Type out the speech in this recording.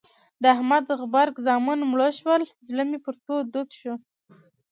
د احمد غبرګ زامن مړه شول؛ زړه مې پر تور دود شو.